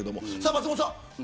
松本さん